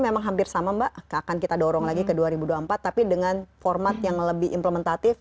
memang hampir sama mbak akan kita dorong lagi ke dua ribu dua puluh empat tapi dengan format yang lebih implementatif